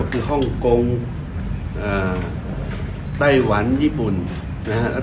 คือฮ่องกงไต้หวันญี่ปุ่นนะครับ